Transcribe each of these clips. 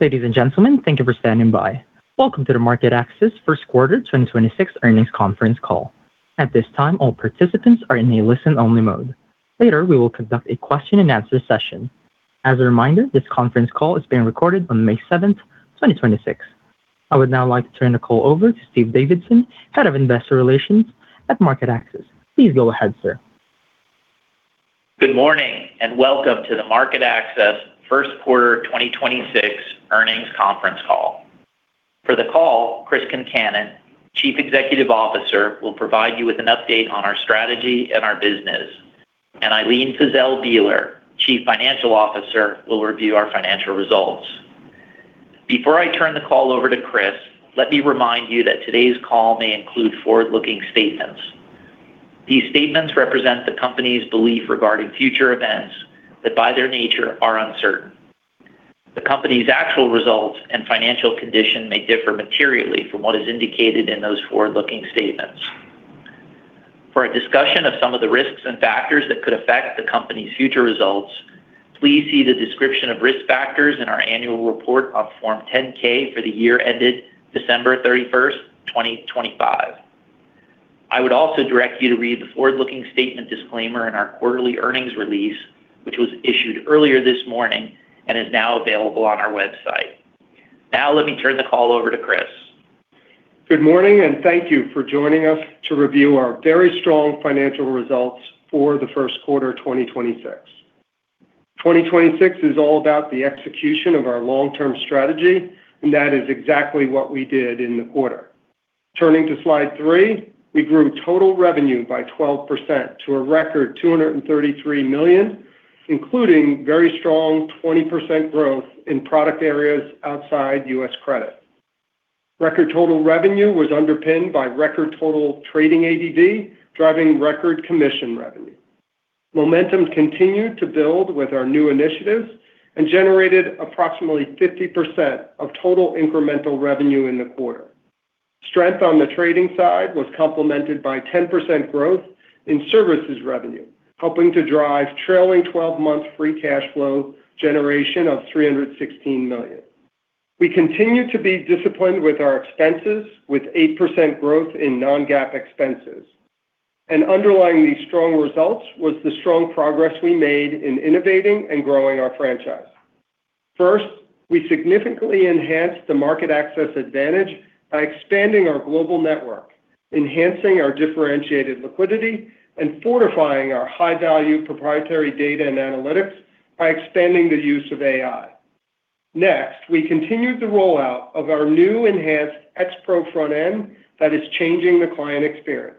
Ladies and gentlemen, thank you for standing by. Welcome to the MarketAxess First Quarter 2026 Earnings Conference Call. At this time, all participants are in a listen-only mode. Later, we will conduct a question-and-answer session. As a reminder, this conference call is being recorded on May 7th, 2026. I would now like to turn the call over to Stephen Davidson, Head of Investor Relations at MarketAxess. Please go ahead, sir. Good morning, and welcome to the MarketAxess First Quarter 2026 Earnings Conference Call. For the call, Chris Concannon, Chief Executive Officer, will provide you with an update on our strategy and our business. Ilene Fiszel Bieler, Chief Financial Officer, will review our financial results. Before I turn the call over to Chris, let me remind you that today's call may include forward-looking statements. These statements represent the company's belief regarding future events that, by their nature, are uncertain. The company's actual results and financial condition may differ materially from what is indicated in those forward-looking statements. For a discussion of some of the risks and factors that could affect the company's future results, please see the description of risk factors in our annual report on Form 10-K for the year ended December 31, 2025. I would also direct you to read the forward-looking statement disclaimer in our quarterly earnings release, which was issued earlier this morning and is now available on our website. Now, let me turn the call over to Chris. Good morning, and thank you for joining us to review our very strong financial results for the first quarter of 2026. 2026 is all about the execution of our long-term strategy, and that is exactly what we did in the quarter. Turning to slide 3, we grew total revenue by 12% to a record $233 million, including very strong 20% growth in product areas outside U.S. credit. Record total revenue was underpinned by record total trading ADV, driving record commission revenue. Momentum continued to build with our new initiatives and generated approximately 50% of total incremental revenue in the quarter. Strength on the trading side was complemented by 10% growth in services revenue, helping to drive trailing-12-month free cash flow generation of $316 million. We continue to be disciplined with our expenses with 8% growth in non-GAAP expenses. Underlying these strong results was the strong progress we made in innovating and growing our franchise. First, we significantly enhanced the MarketAxess advantage by expanding our global network, enhancing our differentiated liquidity, and fortifying our high-value proprietary data and analytics by expanding the use of AI. Next, we continued the rollout of our new enhanced X-Pro front end that is changing the client experience.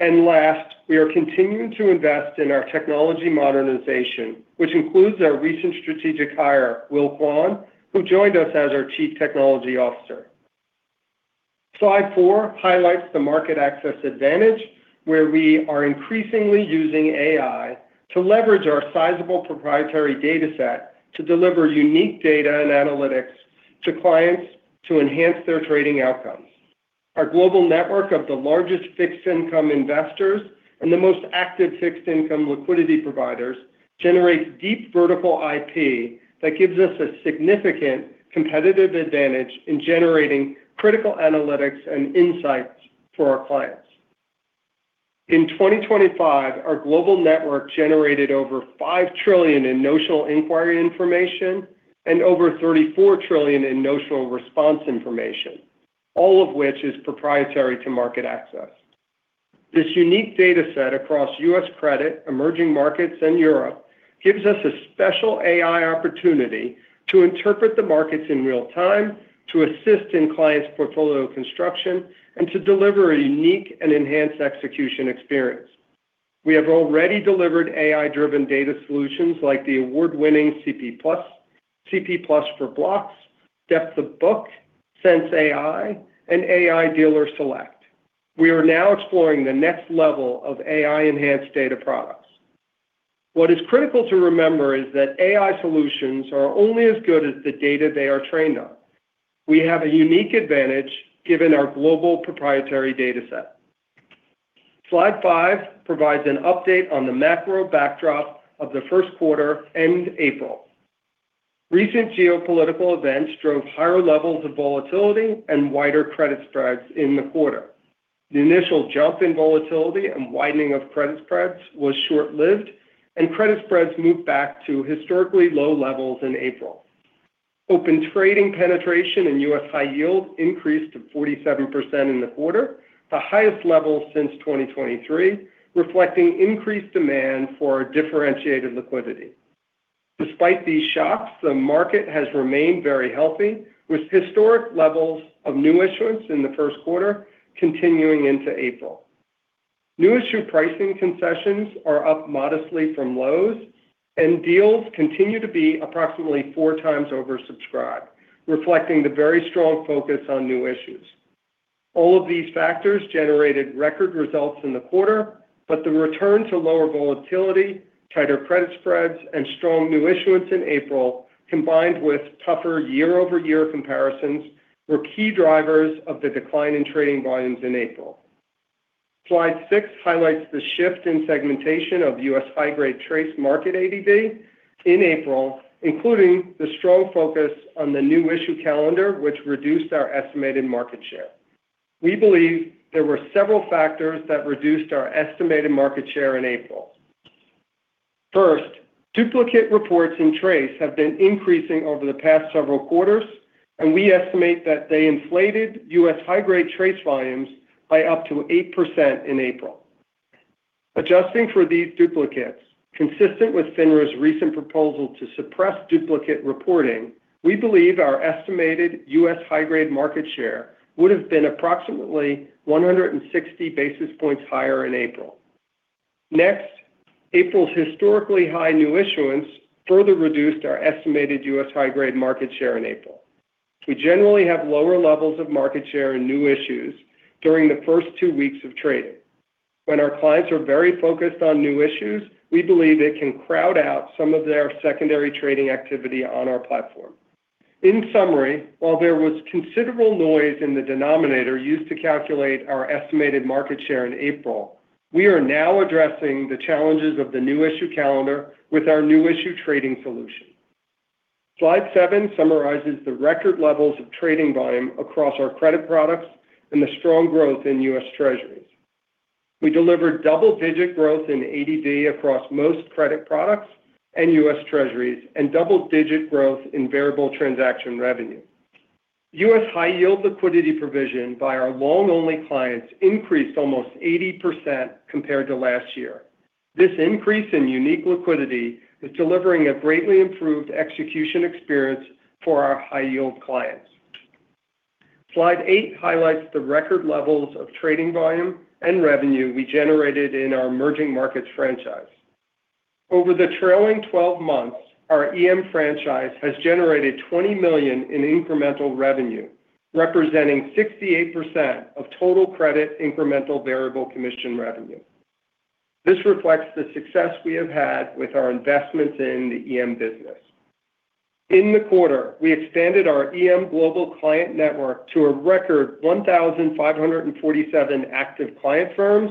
Last, we are continuing to invest in our technology modernization, which includes our recent strategic hire, William Quan, who joined us as our Chief Technology Officer. Slide 4 highlights the MarketAxess advantage, where we are increasingly using AI to leverage our sizable proprietary dataset to deliver unique data and analytics to clients to enhance their trading outcomes. Our global network of the largest fixed income investors and the most active fixed income liquidity providers generates deep vertical IP that gives us a significant competitive advantage in generating critical analytics and insights for our clients. In 2025, our global network generated over $5 trillion in notional inquiry information and over $34 trillion in notional response information, all of which is proprietary to MarketAxess. This unique data set across U.S. credit, emerging markets, and Europe gives us a special AI opportunity to interpret the markets in real time, to assist in clients' portfolio construction, and to deliver a unique and enhanced execution experience. We have already delivered AI-driven data solutions like the award-winning CP+, CP+ for Blocks, Depth of Book, SensAI, and AI Dealer Select. We are now exploring the next level of AI-enhanced data products. What is critical to remember is that AI solutions are only as good as the data they are trained on. We have a unique advantage given our global proprietary data set. Slide 5 provides an update on the macro backdrop of the first quarter and April. Recent geopolitical events drove higher levels of volatility and wider credit spreads in the quarter. The initial jump in volatility and widening of credit spreads was short-lived, and credit spreads moved back to historically low levels in April. Open Trading penetration in U.S. high yield increased to 47% in the quarter, the highest level since 2023, reflecting increased demand for differentiated liquidity. Despite these shocks, the market has remained very healthy, with historic levels of new issuance in the first quarter continuing into April. New issue pricing concessions are up modestly from lows. Deals continue to be approximately four times oversubscribed, reflecting the very strong focus on new issues. All of these factors generated record results in the quarter. The return to lower volatility, tighter credit spreads, and strong new issuance in April, combined with tougher year-over-year comparisons, were key drivers of the decline in trading volumes in April. Slide 6 highlights the shift in segmentation of U.S. high-grade TRACE market ADV in April, including the strong focus on the new issue calendar, which reduced our estimated market share. We believe there were several factors that reduced our estimated market share in April. First, duplicate reports in TRACE have been increasing over the past several quarters. We estimate that they inflated U.S. high-grade TRACE volumes by up to 8% in April. Adjusting for these duplicates, consistent with FINRA's recent proposal to suppress duplicate reporting, we believe our estimated U.S. high-grade market share would have been approximately 160 basis points higher in April. April's historically high new issuance further reduced our estimated U.S. high-grade market share in April. We generally have lower levels of market share in new issues during the first two weeks of trading. When our clients are very focused on new issues, we believe it can crowd out some of their secondary trading activity on our platform. While there was considerable noise in the denominator used to calculate our estimated market share in April, we are now addressing the challenges of the new issue calendar with our new issue trading solution. Slide 7 summarizes the record levels of trading volume across our credit products and the strong growth in U.S. Treasuries. We delivered double-digit growth in ADV across most credit products and U.S. Treasuries, and double-digit growth in variable transaction revenue. U.S. high-yield liquidity provision by our long-only clients increased almost 80% compared to last year. This increase in unique liquidity is delivering a greatly improved execution experience for our high-yield clients. Slide 8 highlights the record levels of trading volume and revenue we generated in our emerging markets franchise. Over the trailing 12 months, our EM franchise has generated $20 million in incremental revenue, representing 68% of total credit incremental variable commission revenue. This reflects the success we have had with our investments in the EM business. In the quarter, we expanded our EM global client network to a record 1,547 active client firms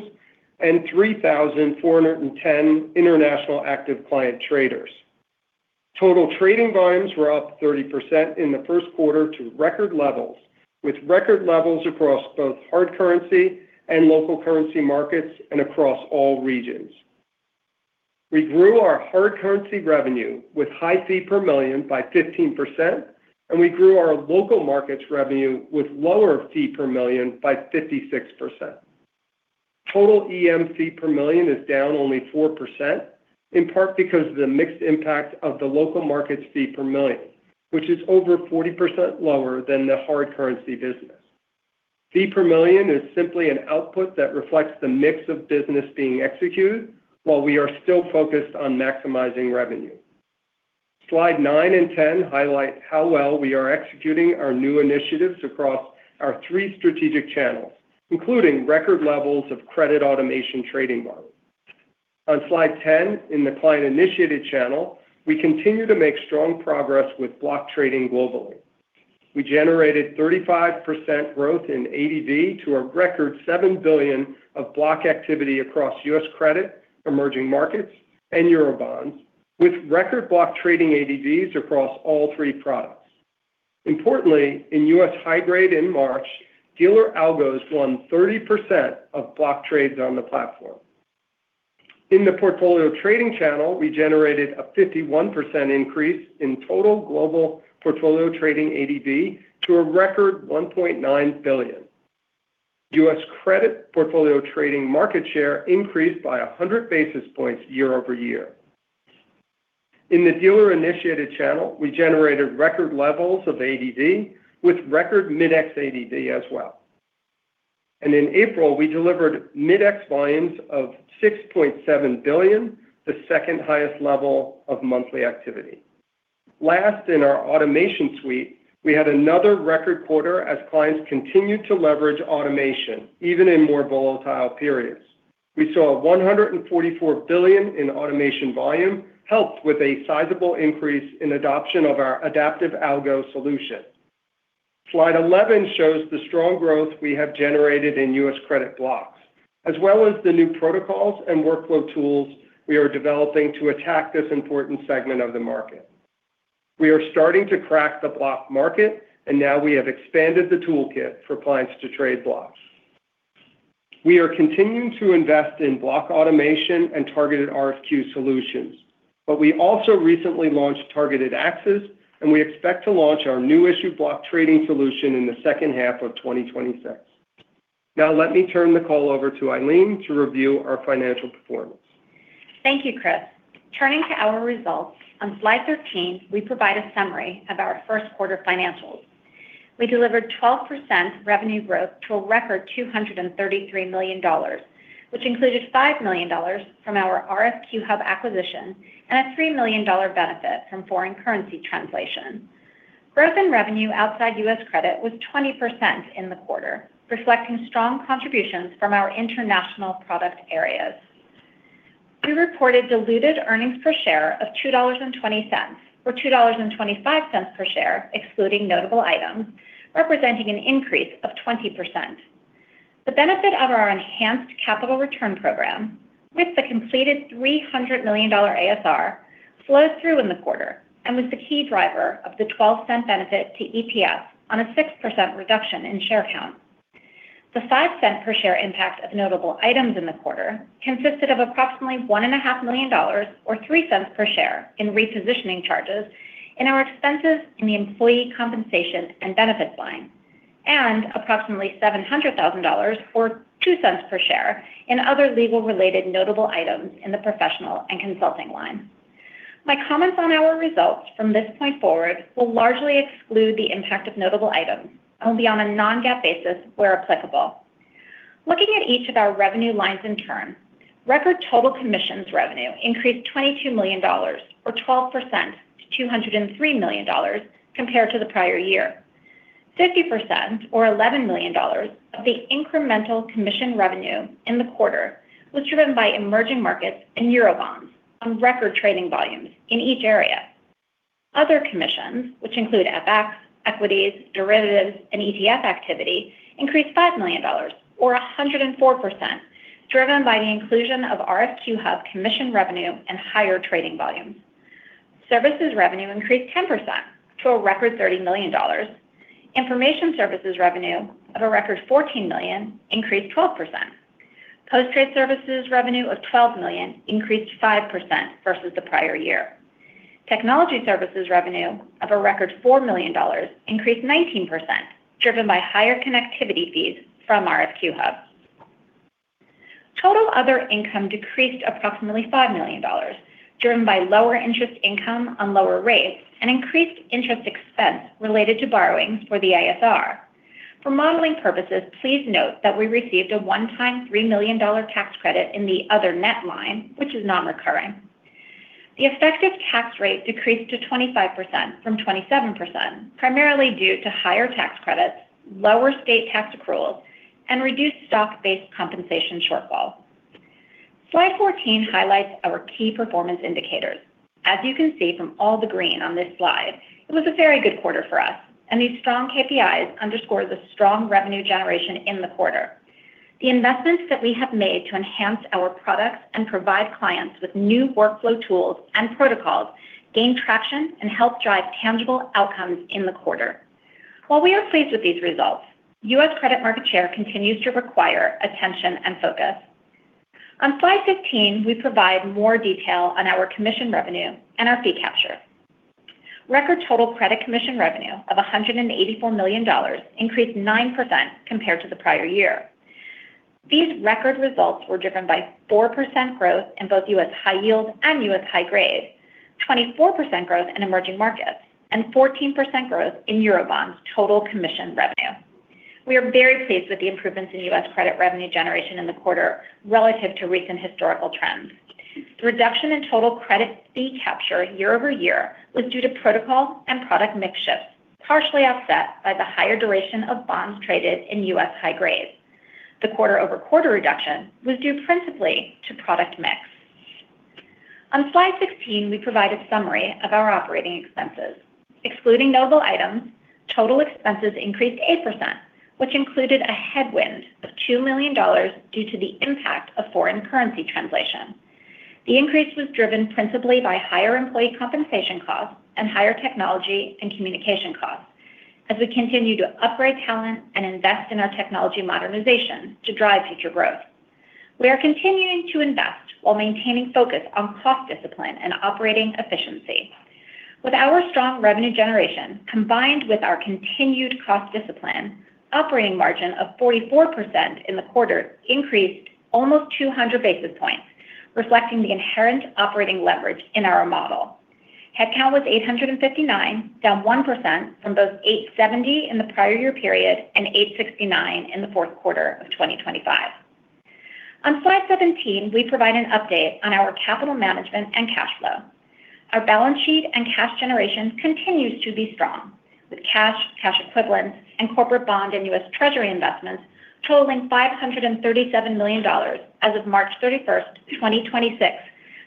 and 3,410 international active client traders. Total trading volumes were up 30% in the first quarter to record levels, with record levels across both hard currency and local currency markets, and across all regions. We grew our hard currency revenue with high fee per million by 15%, and we grew our local markets revenue with lower fee per million by 56%. Total EM fee per million is down only 4%, in part because of the mixed impact of the local markets fee per million, which is over 40% lower than the hard currency business. Fee per million is simply an output that reflects the mix of business being executed while we are still focused on maximizing revenue. Slide 9 and 10 highlight how well we are executing our new initiatives across our three strategic channels, including record levels of credit automation trading volume. On slide 10, in the client-initiated channel, we continue to make strong progress with block trading globally. We generated 35% growth in ADV to a record $7 billion of block activity across U.S. credit, emerging markets, and Eurobonds, with record block trading ADVs across all three products. Importantly, in U.S. high-grade in March, dealer algos won 30% of block trades on the platform. In the portfolio trading channel, we generated a 51% increase in total global portfolio trading ADV to a record $1.9 billion. U.S. credit portfolio trading market share increased by 100 basis points year-over-year. In the dealer-initiated channel, we generated record levels of ADV, with record Mid-X ADV as well. In April, we delivered Mid-X volumes of $6.7 billion, the second-highest level of monthly activity. Last, in our automation suite, we had another record quarter as clients continued to leverage automation, even in more volatile periods. We saw $144 billion in automation volume, helped with a sizable increase in adoption of our adaptive algo solution. Slide 11 shows the strong growth we have generated in U.S. credit blocks, as well as the new protocols and workflow tools we are developing to attack this important segment of the market. We are starting to crack the block market, and now we have expanded the toolkit for clients to trade blocks. We are continuing to invest in block automation and targeted RFQ solutions, but we also recently launched Targeted Axes, and we expect to launch our new issue block trading solution in the second half of 2026. Now let me turn the call over to Ilene to review our financial performance. Thank you, Chris. Turning to our results, on slide 13, we provide a summary of our first quarter financials. We delivered 12% revenue growth to a record $233 million, which included $5 million from our RFQ-hub acquisition and a $3 million benefit from foreign currency translation. Growth in revenue outside U.S. credit was 20% in the quarter, reflecting strong contributions from our international product areas. We reported diluted earnings per share of $2.20, or $2.25 per share excluding notable items, representing an increase of 20%. The benefit of our enhanced capital return program with the completed $300 million ASR flows through in the quarter and was the key driver of the $0.12 benefit to EPS on a 6% reduction in share count. The $0.05 per share impact of notable items in the quarter consisted of approximately $1.5 million, or $0.03 per share in repositioning charges in our expenses in the Employee Compensation and Benefits line, and approximately $700,000, or $0.02 per share in other legal-related notable items in the Professional and Consulting line. My comments on our results from this point forward will largely exclude the impact of notable items only on a non-GAAP basis where applicable. Looking at each of our revenue lines in turn, record total commissions revenue increased $22 million, or 12% to $203 million compared to the prior year. 50% or $11 million of the incremental commission revenue in the quarter was driven by emerging markets and Eurobonds on record trading volumes in each area. Other commissions, which include FX, equities, derivatives, and ETF activity increased $5 million or 104% driven by the inclusion of RFQ-hub commission revenue and higher trading volumes. Services revenue increased 10% to a record $30 million. Information services revenue of a record $14 million increased 12%. Post-trade services revenue of $12 million increased 5% versus the prior year. Technology services revenue of a record $4 million increased 19% driven by higher connectivity fees from RFQ-hub. Total other income decreased approximately $5 million, driven by lower interest income on lower rates and increased interest expense related to borrowings for the ASR. For modeling purposes, please note that we received a one-time $3 million tax credit in the other net line, which is non-recurring. The effective tax rate decreased to 25% from 27%, primarily due to higher tax credits, lower state tax accruals, and reduced stock-based compensation shortfall. Slide 14 highlights our KPIs. As you can see from all the green on this slide, it was a very good quarter for us, and these strong KPIs underscore the strong revenue generation in the quarter. The investments that we have made to enhance our products and provide clients with new workflow tools and protocols gained traction and helped drive tangible outcomes in the quarter. While we are pleased with these results, U.S. credit market share continues to require attention and focus. On slide 15, we provide more detail on our commission revenue and our fee capture. Record total credit commission revenue of $184 million increased 9% compared to the prior year. These record results were driven by 4% growth in both U.S. high yield and U.S. high grade, 24% growth in emerging markets, and 14% growth in Eurobonds total commission revenue. We are very pleased with the improvements in U.S. credit revenue generation in the quarter relative to recent historical trends. The reduction in total credit fee capture year-over-year was due to protocol and product mix shifts, partially offset by the higher duration of bonds traded in U.S. high grade. The quarter-over-quarter reduction was due principally to product mix. On slide 16, we provide a summary of our operating expenses. Excluding notable items, total expenses increased 8%, which included a headwind of $2 million due to the impact of foreign currency translation. The increase was driven principally by higher employee compensation costs and higher technology and communication costs as we continue to upgrade talent and invest in our technology modernization to drive future growth. We are continuing to invest while maintaining focus on cost discipline and operating efficiency. With our strong revenue generation, combined with our continued cost discipline, operating margin of 44% in the quarter increased almost 200 basis points, reflecting the inherent operating leverage in our model. Headcount was 859, down 1% from both 870 in the prior year period and 869 in the fourth quarter of 2025. On slide 17, we provide an update on our capital management and cash flow. Our balance sheet and cash generation continues to be strong with cash equivalents, and corporate bond and U.S. Treasury investments totaling $537 million as of March 31, 2026,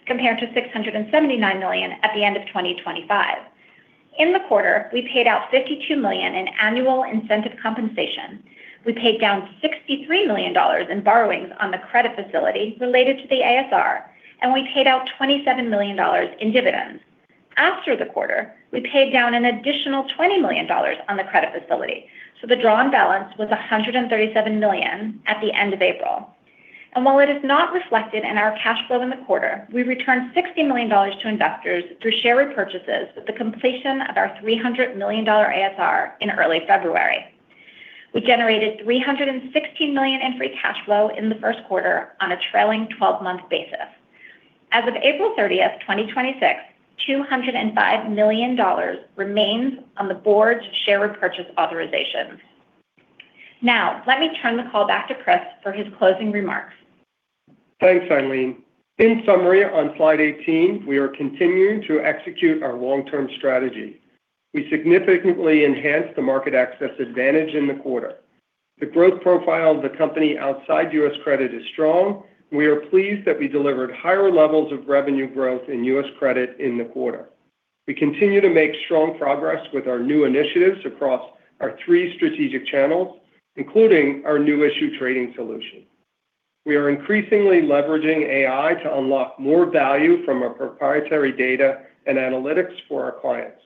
compared to $679 million at the end of 2025. In the quarter, we paid out $52 million in annual incentive compensation. We paid down $63 million in borrowings on the credit facility related to the ASR, and we paid out $27 million in dividends. After the quarter, we paid down an additional $20 million on the credit facility, so the drawn balance was $137 million at the end of April. While it is not reflected in our cash flow in the quarter, we returned $60 million to investors through share repurchases with the completion of our $300 million ASR in early February. We generated $316 million in free cash flow in the first quarter on a trailing 12-month basis. As of April 30th, 2026, $205 million remains on the board's share repurchase authorization. Let me turn the call back to Chris for his closing remarks. Thanks, Ilene. In summary, on slide 18, we are continuing to execute our long-term strategy. We significantly enhanced the MarketAxess advantage in the quarter. The growth profile of the company outside U.S. credit is strong. We are pleased that we delivered higher levels of revenue growth in U.S. credit in the quarter. We continue to make strong progress with our new initiatives across our three strategic channels, including our new issue trading solution. We are increasingly leveraging AI to unlock more value from our proprietary data and analytics for our clients.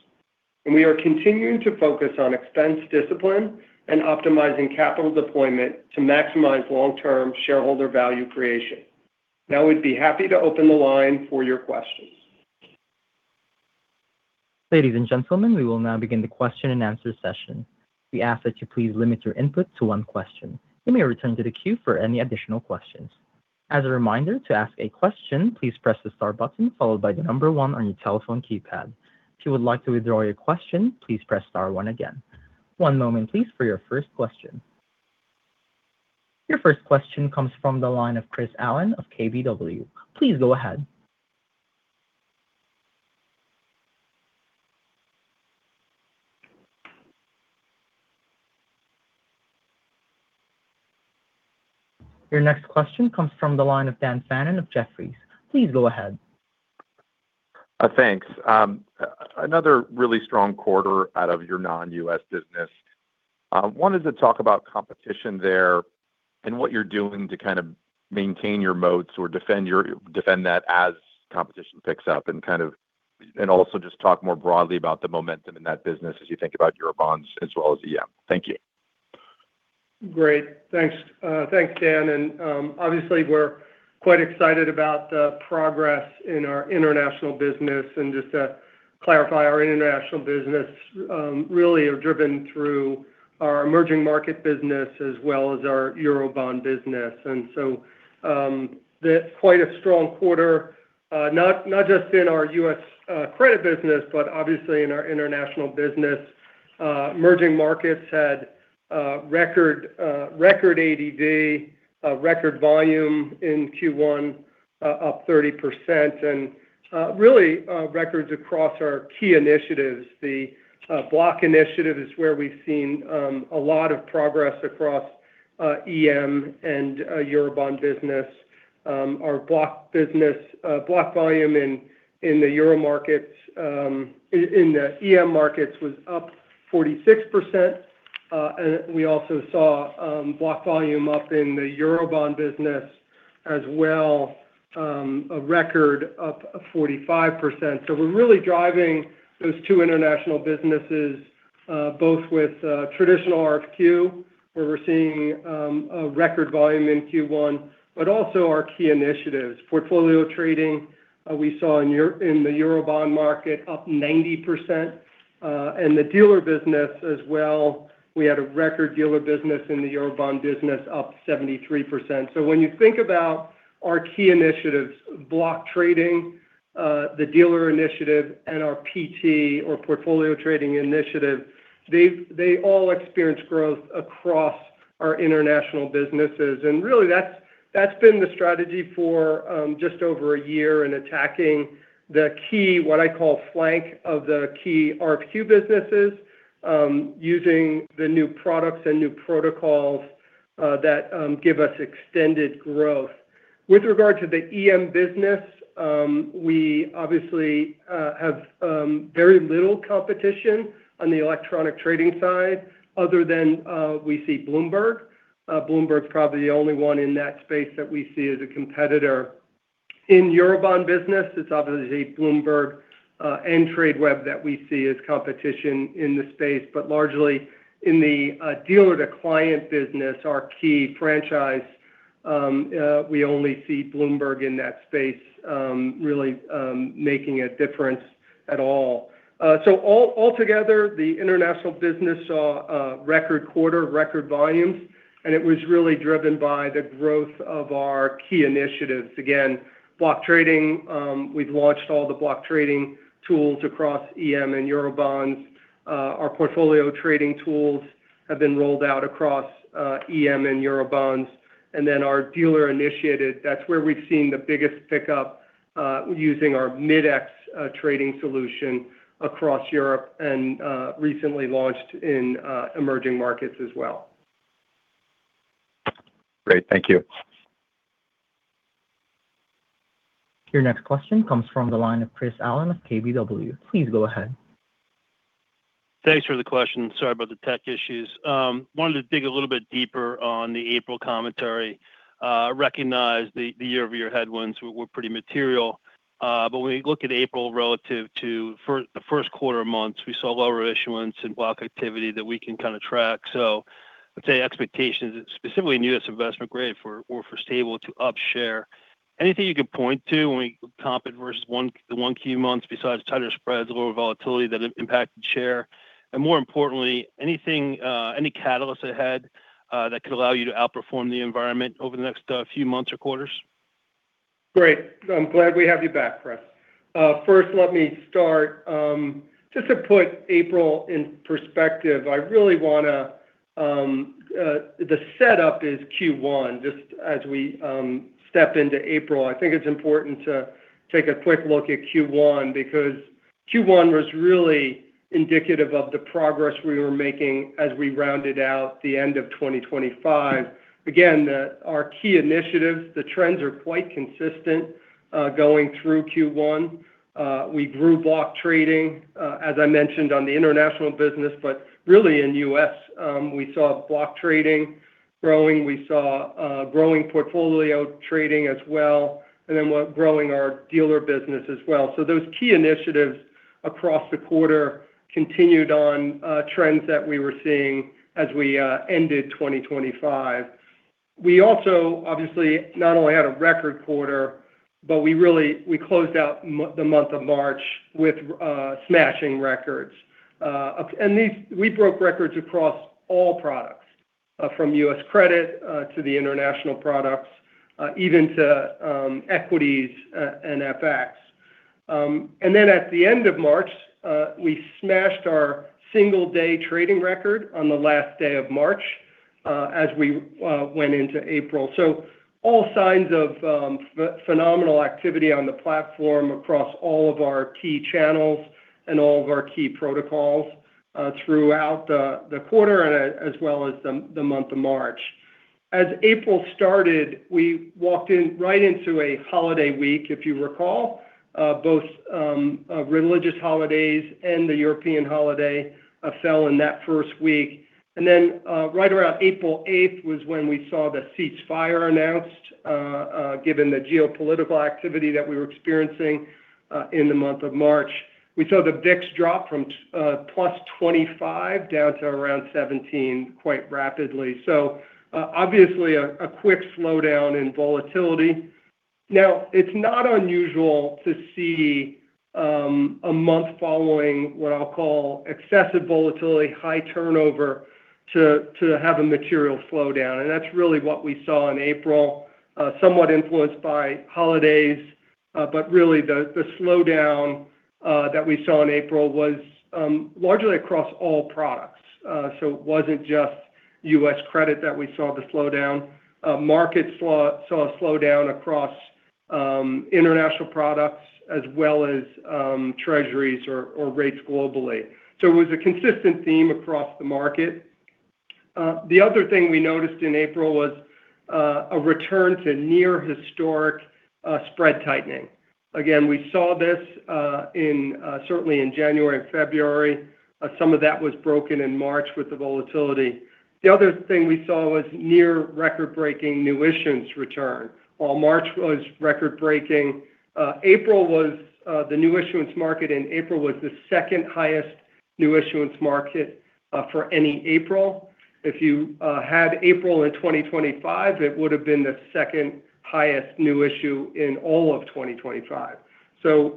We are continuing to focus on expense discipline and optimizing capital deployment to maximize long-term shareholder value creation. Now we'd be happy to open the line for your questions. Ladies and gentlemen, we will now begin the question-and-answer session. We ask that you please limit your input to one question. You may return to the queue for any additional questions. As a reminder, to ask a question, please press the star button followed by the number one on your telephone keypad. If you would like to withdraw your question, please press star one again. One moment please for your first question. Your first question comes from the line of Chris Allen of KBW. Please go ahead. Your next question comes from the line of Daniel Fannon of Jefferies. Please go ahead. Thanks. Another really strong quarter out of your non-U.S. business. I wanted to talk about competition there and what you're doing to kind of maintain your moats or defend that as competition picks up. Also just talk more broadly about the momentum in that business as you think about Eurobonds as well as EM. Thank you. Great. Thanks. Thanks, Dan. Obviously we're quite excited about the progress in our international business. Just to clarify, our international business really are driven through our emerging market business as well as our Eurobond business. Quite a strong quarter, not just in our U.S. credit business, but obviously in our international business. Emerging markets had record ADV, record volume in Q1, up 30%. Really, records across our key initiatives. Block initiative is where we've seen a lot of progress across EM and Eurobond business. Our block volume in the Euro markets, in the EM markets was up 46%. We also saw block volume up in the Eurobond business as well, a record up 45%. We're really driving those two international businesses, both with traditional RFQ, where we're seeing a record volume in Q1, but also our key initiatives. Portfolio trading, we saw in the Eurobond market up 90%. The dealer business as well, we had a record dealer business in the Eurobond business up 73%. When you think about our key initiatives, block trading, the dealer initiative, and our PT or portfolio trading initiative, they all experience growth across our international businesses. Really that's been the strategy for just over a year in attacking the key, what I call flank of the key RFQ businesses, using the new products and new protocols that give us extended growth. With regard to the EM business, we obviously have very little competition on the electronic trading side other than we see Bloomberg. Bloomberg's probably the only one in that space that we see as a competitor. In Eurobond business, it's obviously Bloomberg and Tradeweb that we see as competition in the space. Largely in the dealer-to-client business, our key franchise, we only see Bloomberg in that space really making a difference at all. Altogether, the international business saw a record quarter, record volumes, and it was really driven by the growth of our key initiatives. Block trading, we've launched all the block trading tools across EM and Eurobonds. Our portfolio trading tools have been rolled out across EM and Eurobonds. Our dealer-initiated, that's where we've seen the biggest pickup, using our Mid-X trading solution across Europe and recently launched in emerging markets as well. Great. Thank you. Your next question comes from the line of Chris Allen of KBW. Please go ahead. Thanks for the question. Sorry about the tech issues. Wanted to dig a little bit deeper on the April commentary. Recognize the year-over-year headwinds were pretty material. When we look at April relative to the first quarter months, we saw lower issuance and block activity that we can kind of track. I'd say expectations, specifically in U.S. investment grade, were for stable to up share. Anything you could point to when we compare versus the 1Q month besides tighter spreads or volatility that impacted share? More importantly, anything, any catalysts ahead, that could allow you to outperform the environment over the next few months or quarters? Great. I'm glad we have you back, Chris. First let me start, just to put April in perspective. I really wanna, the setup is Q1, just as we step into April. I think it's important to take a quick look at Q1 because Q1 was really indicative of the progress we were making as we rounded out the end of 2025. Again, the, our key initiatives, the trends are quite consistent, going through Q1. We grew block trading, as I mentioned, on the international business, but really in U.S., we saw block trading growing. We saw growing portfolio trading as well, and then we're growing our dealer business as well. Those key initiatives across the quarter continued on trends that we were seeing as we ended 2025. We also, obviously, not only had a record quarter, but we really closed out the month of March with smashing records. We broke records across all products, from U.S. credit, to the international products, even to equities and FX. At the end of March, we smashed our single day trading record on the last day of March, as we went into April. All signs of phenomenal activity on the platform across all of our key channels and all of our key protocols throughout the quarter and as well as the month of March. As April started, we walked right into a holiday week, if you recall. Both religious holidays and the European holiday fell in that first week. Right around April 8th was when we saw the ceasefire announced. Given the geopolitical activity that we were experiencing in the month of March. We saw the VIX drop from +25 down to around 17 quite rapidly. Obviously a quick slowdown in volatility. Now, it's not unusual to see a month following what I'll call excessive volatility, high turnover, to have a material slowdown, and that's really what we saw in April, somewhat influenced by holidays. But really the slowdown that we saw in April was largely across all products. It wasn't just U.S. credit that we saw the slowdown. Markets saw a slowdown across international products as well as treasuries or rates globally. It was a consistent theme across the market. The other thing we noticed in April was a return to near historic spread tightening. Again, we saw this in certainly in January and February. Some of that was broken in March with the volatility. The other thing we saw was near record-breaking new issuance return. While March was record-breaking, April was the new issuance market in April was the second highest new issuance market for any April. If you had April in 2025, it would have been the second highest new issue in all of 2025.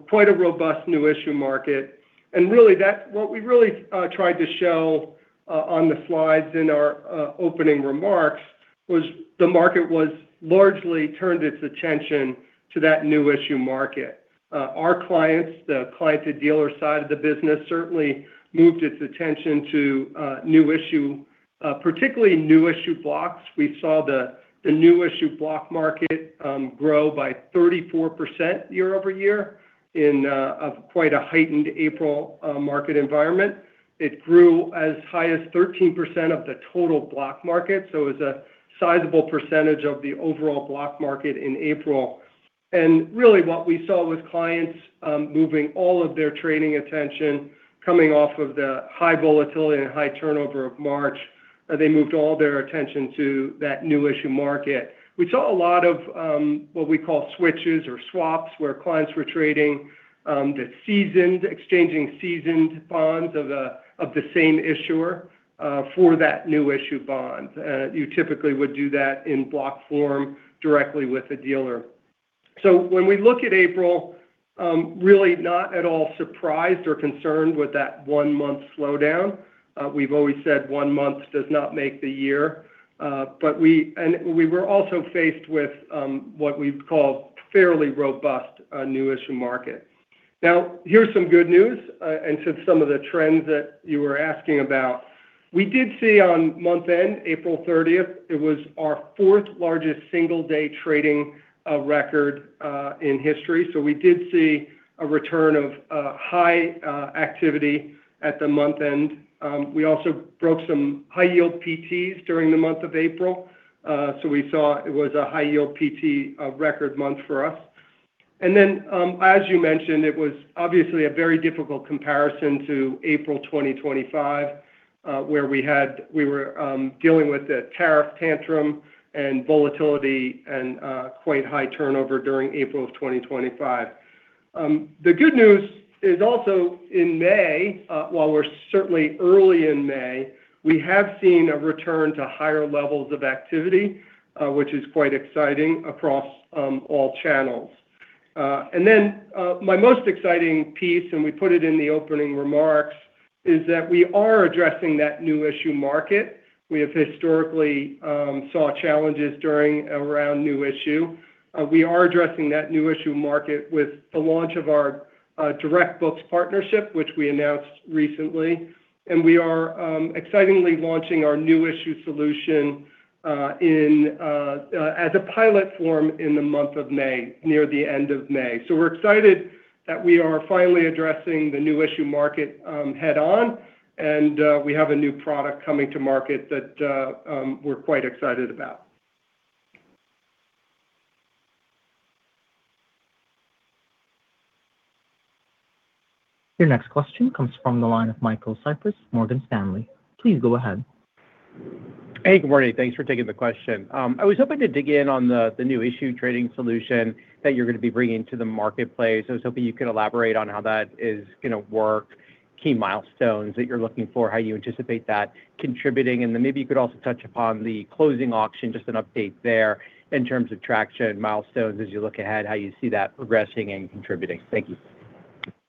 Quite a robust new issue market. Really what we really tried to show on the slides in our opening remarks was the market was largely turned its attention to that new issue market. Our clients, the client to dealer side of the business, certainly moved its attention to new issue, particularly new issue blocks. We saw the new issue block market grow by 34% year-over-year in a quite a heightened April market environment. It grew as high as 13% of the total block market. It was a sizable percentage of the overall block market in April. Really what we saw was clients moving all of their trading attention coming off of the high volatility and high turnover of March. They moved all their attention to that new issue market. We saw a lot of what we call switches or swaps, where clients were trading exchanging seasoned bonds of the same issuer for that new issue bond. You typically would do that in block form directly with the dealer. When we look at April, really not at all surprised or concerned with that one-month slowdown. We've always said one month does not make the year. We were also faced with what we'd call fairly robust new issue market. Here's some good news and to some of the trends that you were asking about. We did see on month end, April 30th, it was our fourth largest single day trading record in history. We did see a return of high activity at the month end. We also broke some high yield PTs during the month of April. We saw it was a high yield PT record month for us. As you mentioned, it was obviously a very difficult comparison to April 2025, where we were dealing with the tariff tantrum and volatility and quite high turnover during April of 2025. The good news is also in May, while we're certainly early in May, we have seen a return to higher levels of activity, which is quite exciting across all channels. My most exciting piece, and we put it in the opening remarks, is that we are addressing that new issue market. We have historically saw challenges during around new issue. We are addressing that new issue market with the launch of our DirectBooks partnership, which we announced recently. We are excitingly launching our new issue solution as a pilot form in the month of May, near the end of May. We're excited that we are finally addressing the new issue market head on, and we have a new product coming to market that we're quite excited about. Your next question comes from the line of Michael Cyprys, Morgan Stanley. Please go ahead. Hey, good morning. Thanks for taking the question. I was hoping to dig in on the new issue trading solution that you're gonna be bringing to the marketplace. I was hoping you could elaborate on how that is gonna work, key milestones that you're looking for, how you anticipate that contributing. Maybe you could also touch upon the closing auction, just an update there in terms of traction milestones as you look ahead, how you see that progressing and contributing. Thank you.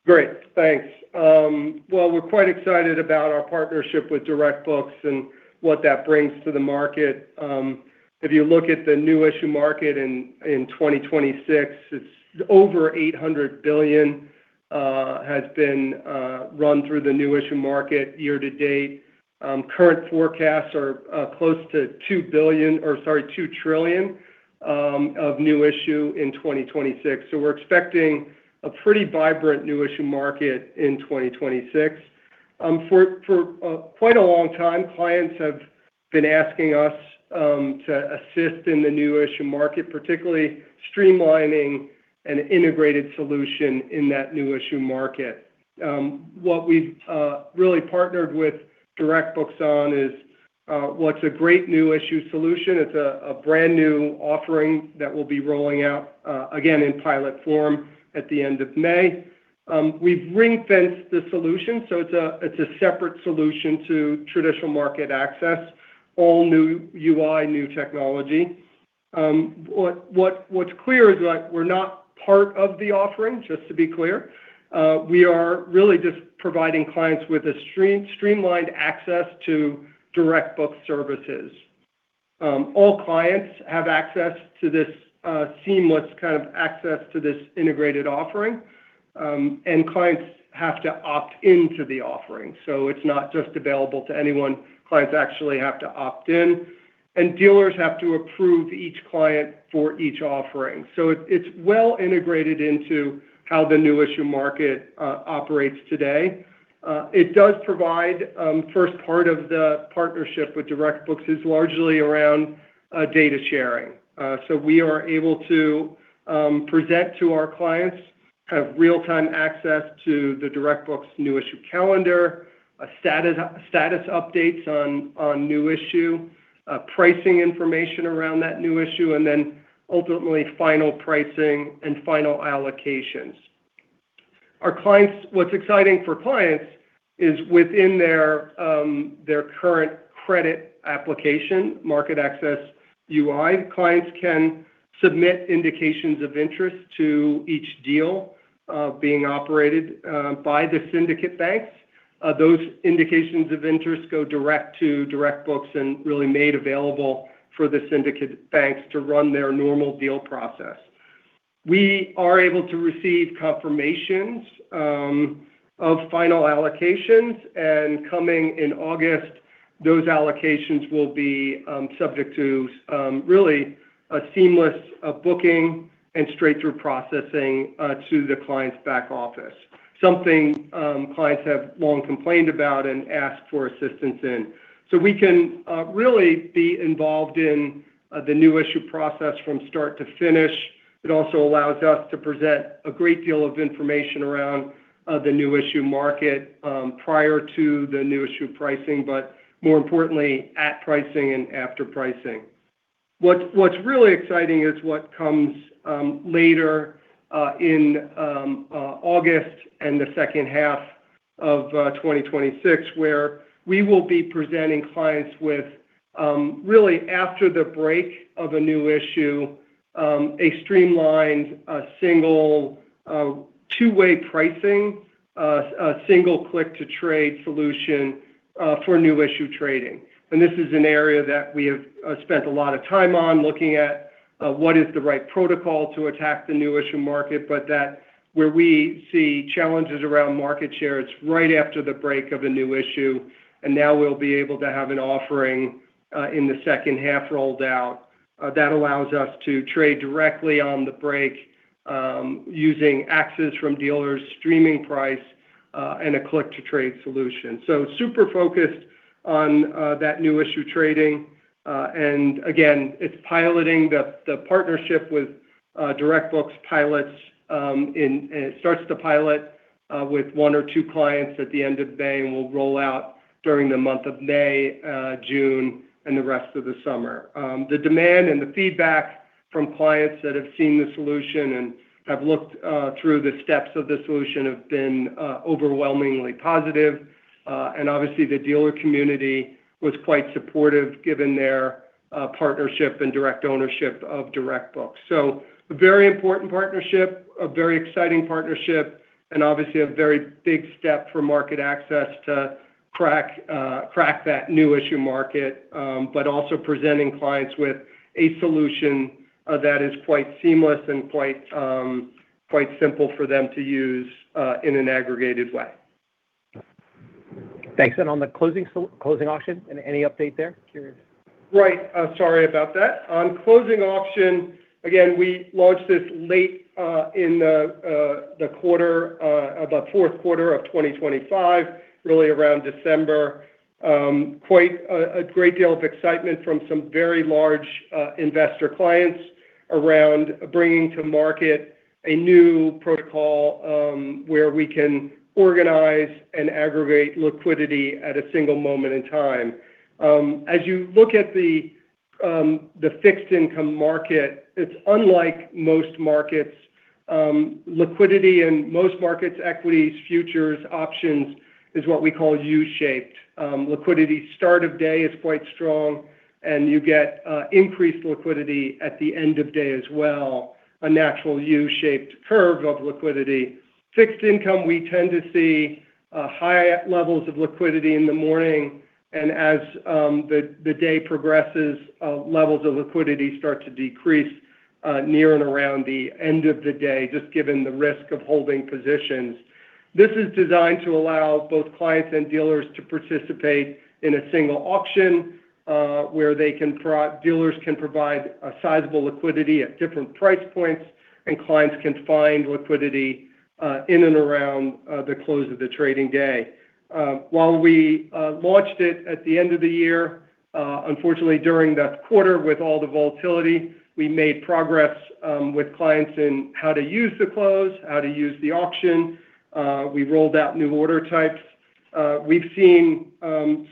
Great. Thanks. Well, we're quite excited about our partnership with DirectBooks and what that brings to the market. If you look at the new issue market in 2026, it's over $800 billion has been run through the new issue market year to date. Current forecasts are close to $2 trillion of new issue in 2026. We're expecting a pretty vibrant new issue market in 2026. For quite a long time, clients have been asking us to assist in the new issue market, particularly streamlining an integrated solution in that new issue market. What we've really partnered with DirectBooks on is what's a great new issue solution. It's a brand new offering that we'll be rolling out again, in pilot form at the end of May. We've ring-fenced the solution, so it's a separate solution to traditional MarketAxess, all new UI, new technology. What's clear is that we're not part of the offering, just to be clear. We are really just providing clients with a streamlined access to DirectBooks services. All clients have access to this seamless kind of access to this integrated offering, and clients have to opt into the offering. It's not just available to anyone. Clients actually have to opt in, and dealers have to approve each client for each offering. It's well integrated into how the new issue market operates today. It does provide, first part of the partnership with DirectBooks is largely around data sharing. We are able to present to our clients kind of real-time access to the DirectBooks new issue calendar, status updates on new issue, pricing information around that new issue, and then ultimately final pricing and final allocations. What's exciting for clients is within their current credit application, MarketAxess UI, clients can submit indications of interest to each deal being operated by the syndicate banks. Those indications of interest go direct to DirectBooks and really made available for the syndicate banks to run their normal deal process. We are able to receive confirmations of final allocations, and coming in August, those allocations will be subject to really a seamless booking and straight-through processing to the client's back office, something clients have long complained about and asked for assistance in. We can really be involved in the new issue process from start to finish. It also allows us to present a great deal of information around the new issue market prior to the new issue pricing, but more importantly, at pricing and after pricing. What's really exciting is what comes later in August and the second half of 2026, where we will be presenting clients with really after the break of a new issue, a streamlined, single, two-way pricing, a single click-to-trade solution for new issue trading. This is an area that we have spent a lot of time on looking at what is the right protocol to attack the new issue market, but that where we see challenges around market share, it's right after the break of a new issue, and now we'll be able to have an offering in the second half rolled out that allows us to trade directly on the break, using axes from dealers, streaming price, and a click-to-trade solution. Super focused on that new issue trading. Again, it's piloting the partnership with DirectBooks pilots, and it starts to pilot with one or two clients at the end of May and will roll out during the month of May, June, and the rest of the summer. The demand and the feedback from clients that have seen the solution and have looked through the steps of the solution have been overwhelmingly positive. Obviously the dealer community was quite supportive given their partnership and direct ownership of DirectBooks. A very important partnership, a very exciting partnership, and obviously a very big step for MarketAxess to crack that new issue market, but also presenting clients with a solution that is quite seamless and quite simple for them to use in an aggregated way. Thanks. On the closing auction, any update there? Curious. Right. Sorry about that. On closing auction, again, we launched this late in the quarter, the fourth quarter of 2025, really around December. Quite a great deal of excitement from some very large investor clients around bringing to market a new protocol, where we can organize and aggregate liquidity at a single moment in time. As you look at the fixed income market, it's unlike most markets. Liquidity in most markets, equities, futures, options, is what we call U-shaped. Liquidity start of day is quite strong, and you get increased liquidity at the end of day as well, a natural U-shaped curve of liquidity. Fixed income, we tend to see higher levels of liquidity in the morning, and as the day progresses, levels of liquidity start to decrease near and around the end of the day, just given the risk of holding positions. This is designed to allow both clients and dealers to participate in a single auction, where they can dealers can provide a sizable liquidity at different price points, and clients can find liquidity in and around the close of the trading day. While we launched it at the end of the year, unfortunately during that quarter with all the volatility, we made progress with clients in how to use the close, how to use the auction. We rolled out new order types. We've seen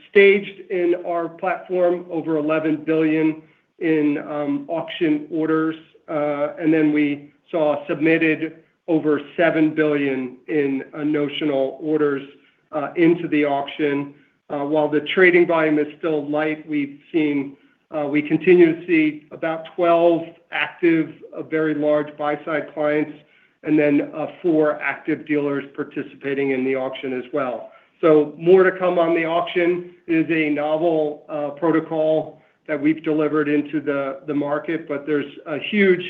staged in our platform over $11 billion in auction orders. We saw submitted over $7 billion in notional orders into the auction. While the trading volume is still light, we continue to see about 12 active, very large buy-side clients and four active dealers participating in the auction as well. More to come on the auction. It is a novel protocol that we've delivered into the market, but there's a huge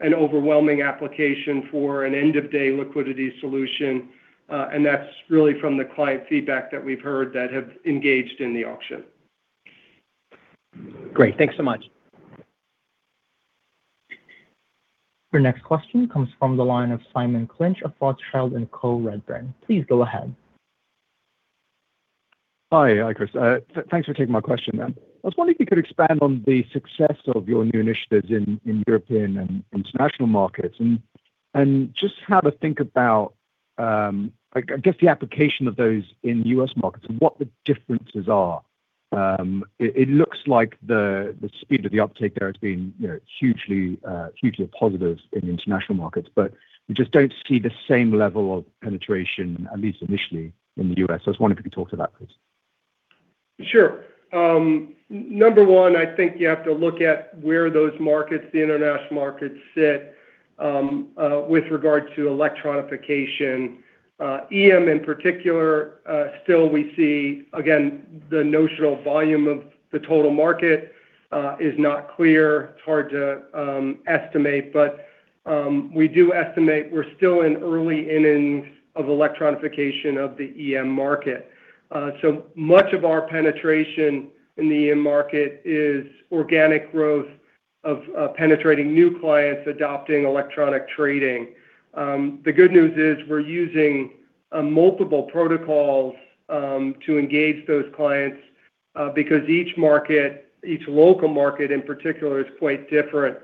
and overwhelming application for an end-of-day liquidity solution, and that's really from the client feedback that we've heard that have engaged in the auction. Great. Thanks so much. Your next question comes from the line of Simon Clinch of Rothschild & Co Redburn. Please go ahead. Hi. Hi, Chris. Thanks for taking my question. I was wondering if you could expand on the success of your new initiatives in European and international markets, and just have a think about, I guess the application of those in the U.S. markets and what the differences are. It looks like the speed of the uptake there has been, you know, hugely hugely positive in international markets. We just don't see the same level of penetration, at least initially, in the U.S. I was wondering if you could talk to that, please. Sure. Number one, I think you have to look at where those markets, the international markets sit with regard to electronification. EM in particular, still we see, again, the notional volume of the total market is not clear. It's hard to estimate, but we do estimate we're still in early innings of electronification of the EM market. So much of our penetration in the EM market is organic growth of penetrating new clients adopting electronic trading. The good news is we're using multiple protocols to engage those clients because each market, each local market in particular, is quite different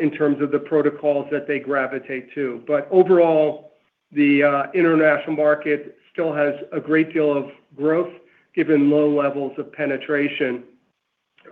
in terms of the protocols that they gravitate to. Overall, the international market still has a great deal of growth given low levels of penetration.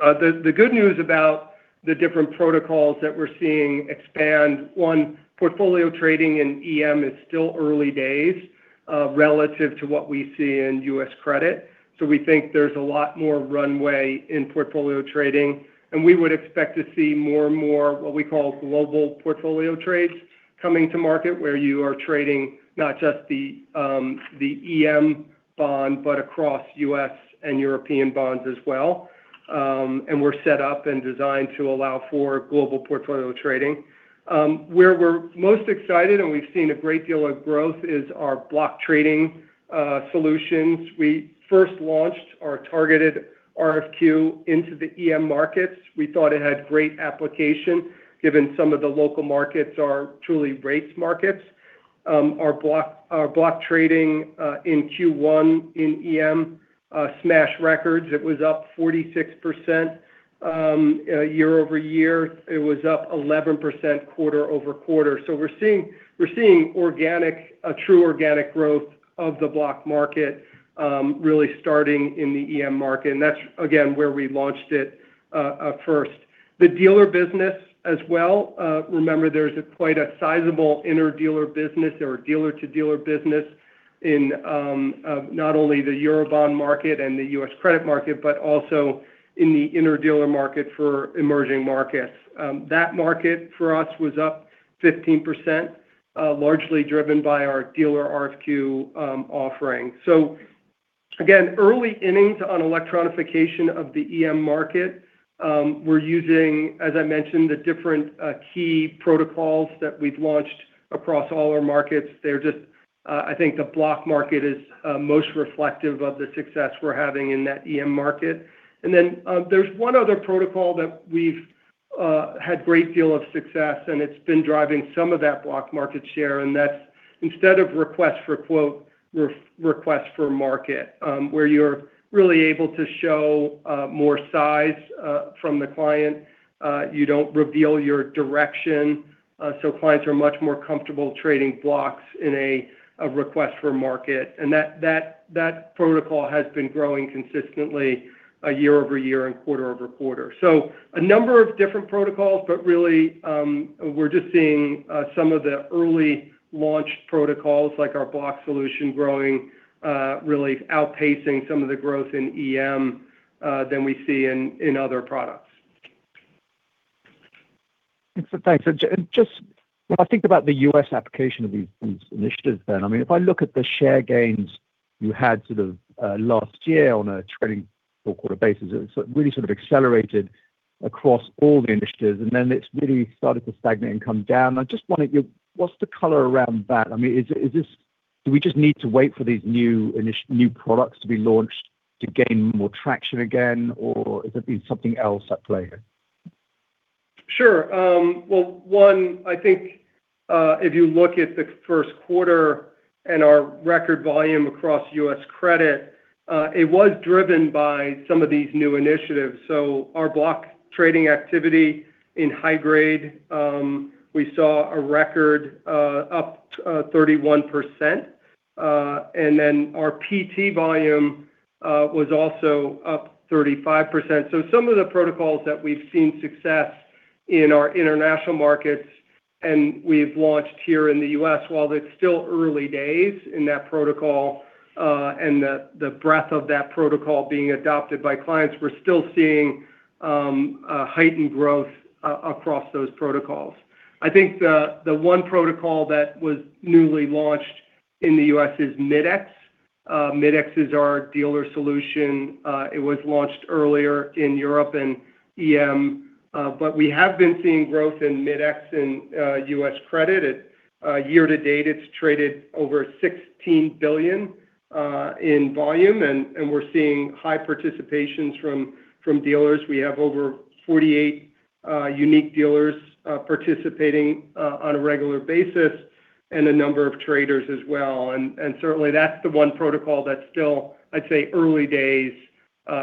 The good news about the different protocols that we're seeing expand, one, portfolio trading in EM is still early days relative to what we see in U.S. credit. We think there's a lot more runway in portfolio trading, and we would expect to see more and more what we call global portfolio trades coming to market where you are trading not just the EM bond, but across U.S. and European bonds as well. We're set up and designed to allow for global portfolio trading. Where we're most excited and we've seen a great deal of growth is our block trading solutions. We first launched our targeted RFQ into the EM markets. We thought it had great application given some of the local markets are truly rates markets. Our block trading in Q1 in EM smashed records. It was up 46% year-over-year. It was up 11% quarter-over-quarter. We're seeing a true organic growth of the block market really starting in the EM market, and that's again, where we launched it first. The dealer business as well, remember there's quite a sizable interdealer business or dealer-to-dealer business in not only the Eurobond market and the U.S. credit market, but also in the interdealer market for emerging markets. That market for us was up 15% largely driven by our dealer RFQ offering. Again, early innings on electronification of the EM market. We're using, as I mentioned, the different key protocols that we've launched across all our markets. I think the block market is most reflective of the success we're having in that EM market. There's one other protocol that we've had great deal of success, and it's been driving some of that block market share, and that's instead of request for quote, request for market, where you're really able to show more size from the client. You don't reveal your direction, so clients are much more comfortable trading blocks in a request for market. That protocol has been growing consistently year-over-year and quarter-over-quarter. A number of different protocols, but really, we're just seeing some of the early launched protocols like our block solution growing, really outpacing some of the growth in EM than we see in other products. Thanks. Just when I think about the U.S. application of these initiatives then, I mean, if I look at the share gains you had sort of last year on a trailing four-quarter basis, it really accelerated across all the initiatives, and then it's really started to stagnate and come down. I just wondered, what's the color around that? I mean, is this, do we just need to wait for these new products to be launched to gain more traction again, or has there been something else at play here? One, I think, if you look at the first quarter and our record volume across U.S. credit, it was driven by some of these new initiatives. Our block trading activity in high grade, we saw a record up 31%. Our PT volume was also up 35%. Some of the protocols that we've seen success in our international markets and we've launched here in the U.S., while it's still early days in that protocol, and the breadth of that protocol being adopted by clients, we're still seeing heightened growth across those protocols. I think the one protocol that was newly launched in the U.S. is Mid-X. Mid-X is our dealer solution. It was launched earlier in Europe and EM. We have been seeing growth in Mid-X in U.S. credit. Year to date, it's traded over $16 billion in volume, and we're seeing high participations from dealers. We have over 48 unique dealers participating on a regular basis and a number of traders as well. Certainly, that's the one protocol that's still, I'd say, early days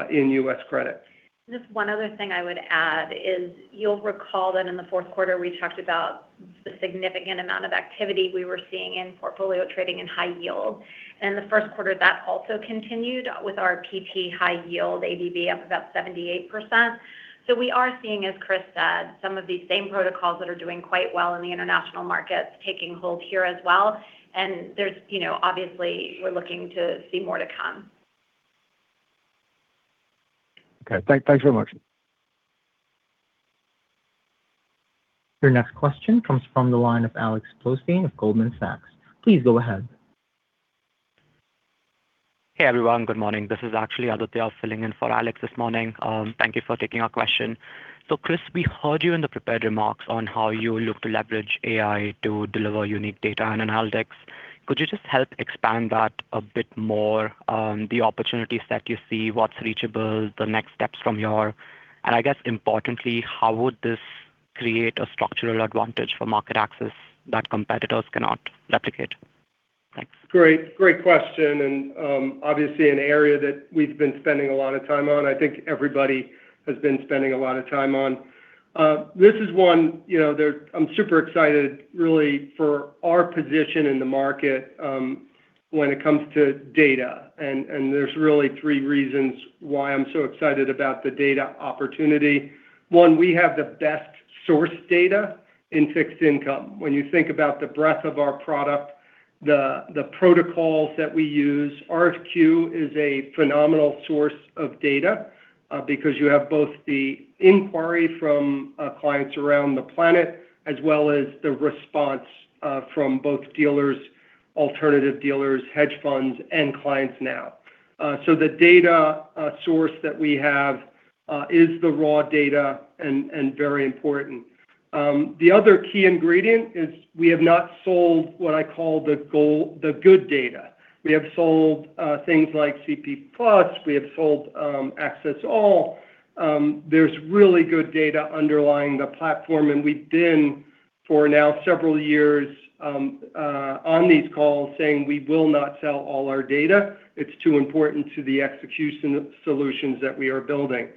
in U.S. credit. Just one other thing I would add is you'll recall that in the fourth quarter, we talked about the significant amount of activity we were seeing in portfolio trading in high yield. In the first quarter, that also continued with our PT high yield ADV up about 78%. We are seeing, as Chris said, some of these same protocols that are doing quite well in the international markets taking hold here as well. There's, you know, obviously, we're looking to see more to come. Okay. Thanks very much. Your next question comes from the line of Alex Blostein of Goldman Sachs. Please go ahead. Hey, everyone. Good morning. This is actually Aditya filling in for Alex this morning. Thank you for taking our question. Chris, we heard you in the prepared remarks on how you look to leverage AI to deliver unique data and analytics. Could you just help expand that a bit more on the opportunities that you see, what's reachable, the next steps? I guess importantly, how would this create a structural advantage for MarketAxess that competitors cannot replicate? Thanks. Great. Great question. Obviously an area that we've been spending a lot of time on, I think everybody has been spending a lot of time on. This is one, you know, I'm super excited really for our position in the market, when it comes to data. There's really three reasons why I'm so excited about the data opportunity. One, we have the best source data in fixed income. When you think about the breadth of our product, the protocols that we use, RFQ is a phenomenal source of data, because you have both the inquiry from clients around the planet as well as the response from both dealers, alternative dealers, hedge funds, and clients now. So the data source that we have is the raw data and very important. The other key ingredient is we have not sold what I call the good data. We have sold things like CP+. We have sold Axess All. There's really good data underlying the platform, and we've been, for now several years, on these calls saying we will not sell all our data. It's too important to the execution solutions that we are building.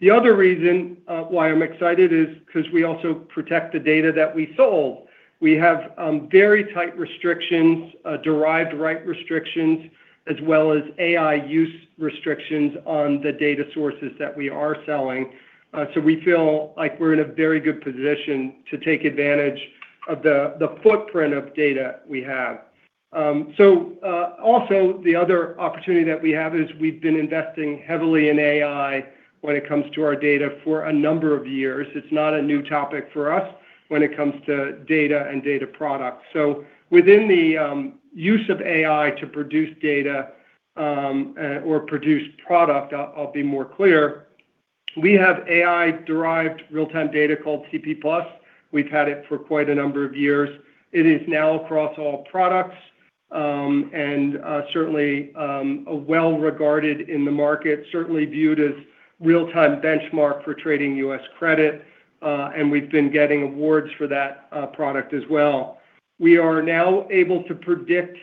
The other reason why I'm excited is because we also protect the data that we sold. We have very tight restrictions, derived right restrictions, as well as AI use restrictions on the data sources that we are selling. We feel like we're in a very good position to take advantage of the footprint of data we have. Also, the other opportunity that we have is we've been investing heavily in AI when it comes to our data for a number of years. It's not a new topic for us when it comes to data and data products. Within the use of AI to produce data or produce product, we have AI-derived real-time data called CP+. We've had it for quite a number of years. It is now across all products, certainly well-regarded in the market, certainly viewed as real-time benchmark for trading U.S. credit, and we've been getting awards for that product as well. We are now able to predict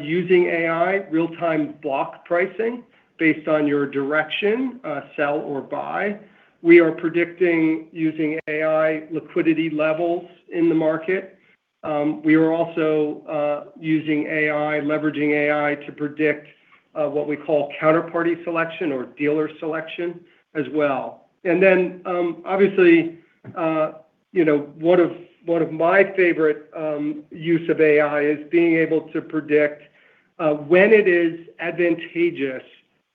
using AI real-time block pricing based on your direction, sell or buy. We are predicting using AI liquidity levels in the market. We are also using AI, leveraging AI to predict what we call counterparty selection or dealer selection as well. Obviously, you know, one of my favorite use of AI is being able to predict when it is advantageous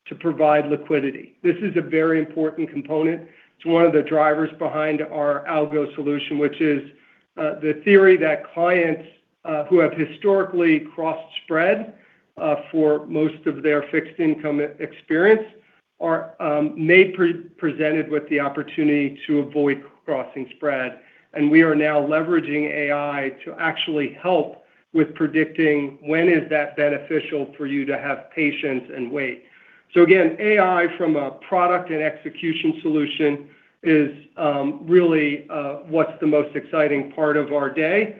to provide liquidity. This is a very important component to one of the drivers behind our algo solution, which is the theory that clients who have historically cross spread for most of their fixed income e-experience are may presented with the opportunity to avoid crossing spread. We are now leveraging AI to actually help with predicting when is that beneficial for you to have patience and wait. Again, AI from a product and execution solution is really what's the most exciting part of our day.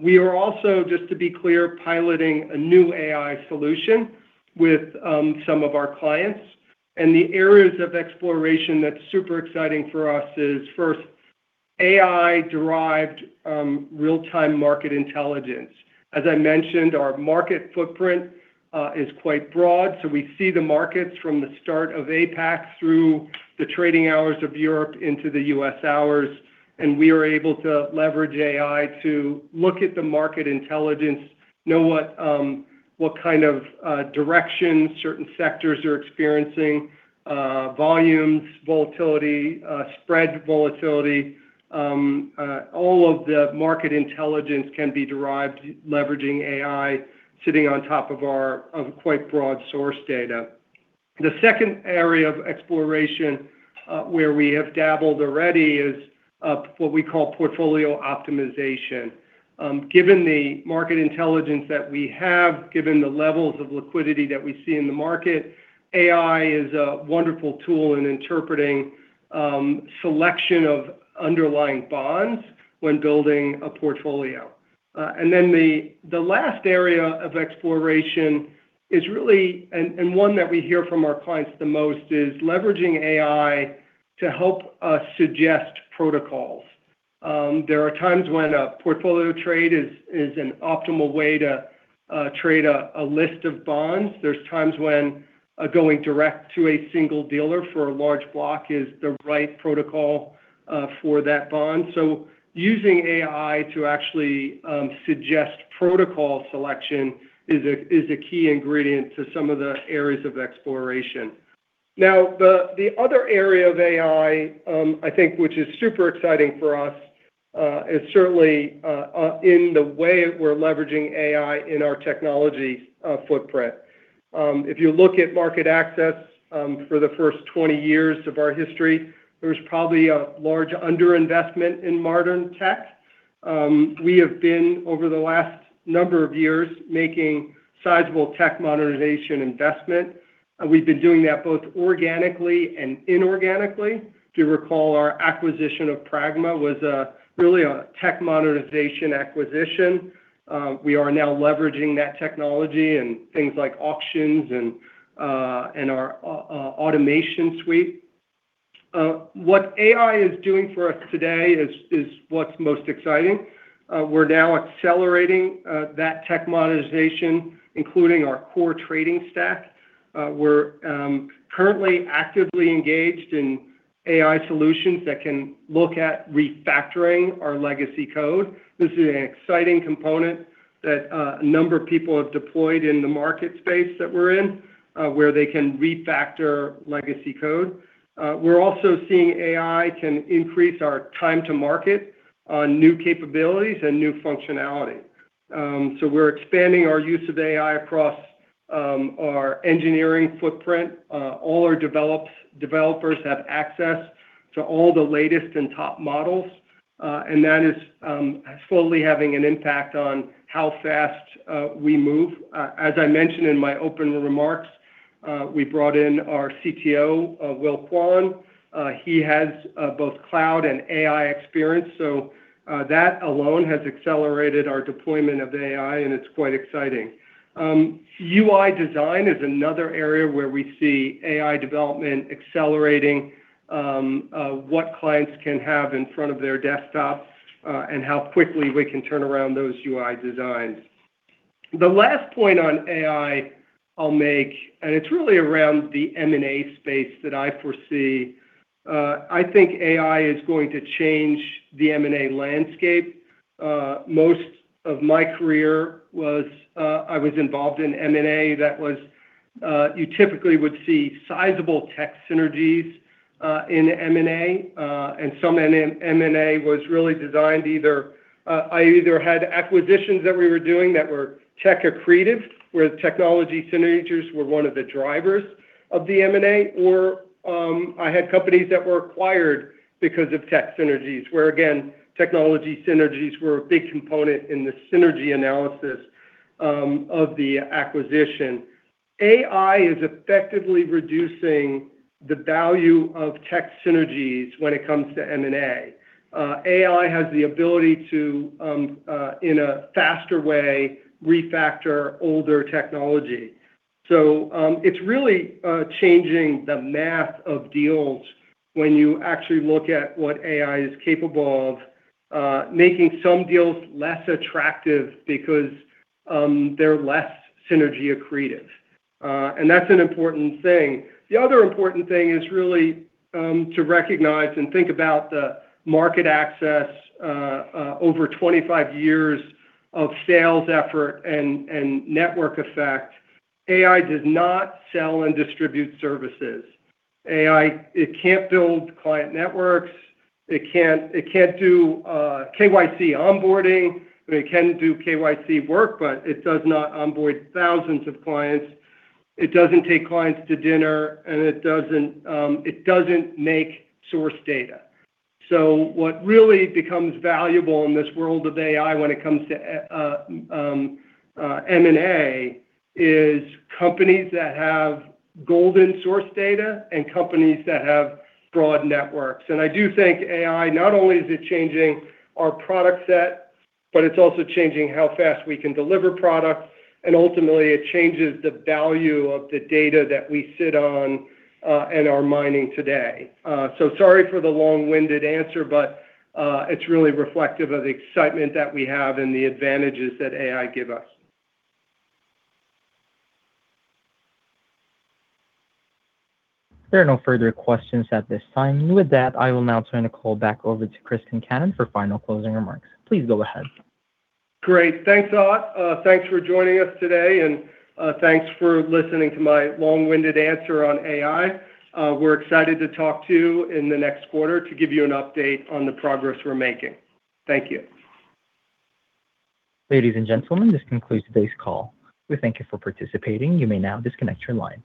We are also, just to be clear, piloting a new AI solution with some of our clients. The areas of exploration that's super exciting for us is first AI-derived, real-time market intelligence. As I mentioned, our market footprint is quite broad. We see the markets from the start of APAC through the trading hours of Europe into the U.S. hours, and we are able to leverage AI to look at the market intelligence, know what kind of direction certain sectors are experiencing, volumes, volatility, spread volatility. All of the market intelligence can be derived leveraging AI, sitting on top of our quite broad source data. The second area of exploration, where we have dabbled already is what we call portfolio optimization. Given the market intelligence that we have, given the levels of liquidity that we see in the market, AI is a wonderful tool in interpreting selection of underlying bonds when building a portfolio. The last area of exploration is really, and one that we hear from our clients the most, is leveraging AI to help us suggest protocols. There are times when a portfolio trade is an optimal way to trade a list of bonds. There's times when going direct to a single dealer for a large block is the right protocol for that bond. Using AI to actually suggest protocol selection is a key ingredient to some of the areas of exploration. The other area of AI, I think, which is super exciting for us, is certainly in the way we're leveraging AI in our technology footprint. If you look at MarketAxess, for the first 20 years of our history, there was probably a large underinvestment in modern tech. We have been, over the last number of years, making sizable tech modernization investment. We've been doing that both organically and inorganically. If you recall, our acquisition of Pragma was really a tech modernization acquisition. We are now leveraging that technology and things like auctions and our automation suite. What AI is doing for us today is what's most exciting. We're now accelerating that tech modernization, including our core trading stack. We're currently actively engaged in AI solutions that can look at refactoring our legacy code. This is an exciting component that a number of people have deployed in the market space that we're in, where they can refactor legacy code. We're also seeing AI can increase our time to market on new capabilities and new functionality. We're expanding our use of AI across our engineering footprint. All our developers have access to all the latest and top models, and that is slowly having an impact on how fast we move. As I mentioned in my opening remarks, we brought in our CTO, William Quan. He has both cloud and AI experience, that alone has accelerated our deployment of AI, and it's quite exciting. UI design is another area where we see AI development accelerating, what clients can have in front of their desktop, and how quickly we can turn around those UI designs. The last point on AI I'll make, and it's really around the M&A space that I foresee, I think AI is going to change the M&A landscape. Most of my career was, I was involved in M&A. That was, you typically would see sizable tech synergies in M&A, and some M&A was really designed either I either had acquisitions that we were doing that were tech accretive, where technology synergies were one of the drivers of the M&A, or, I had companies that were acquired because of tech synergies, where again, technology synergies were a big component in the synergy analysis of the acquisition. AI is effectively reducing the value of tech synergies when it comes to M&A. AI has the ability to in a faster way, refactor older technology. It's really changing the math of deals when you actually look at what AI is capable of making some deals less attractive because they're less synergy accretive. That's an important thing. The other important thing is really to recognize and think about the MarketAxess over 25 years of sales effort and network effect. AI does not sell and distribute services. AI, it can't build client networks. It can't do KYC onboarding. It can do KYC work, it does not onboard thousands of clients. It doesn't take clients to dinner, it doesn't make source data. What really becomes valuable in this world of AI when it comes to M&A is companies that have golden source data and companies that have broad networks. I do think AI, not only is it changing our product set, but it's also changing how fast we can deliver products. Ultimately, it changes the value of the data that we sit on and are mining today. Sorry for the long-winded answer, but it's really reflective of the excitement that we have and the advantages that AI give us. There are no further questions at this time. With that, I will now turn the call back over to Chris Concannon for final closing remarks. Please go ahead. Great. Thanks a lot. Thanks for joining us today, and thanks for listening to my long-winded answer on AI. We're excited to talk to you in the next quarter to give you an update on the progress we're making. Thank you. Ladies and gentlemen, this concludes today's call. We thank you for participating. You may now disconnect your line.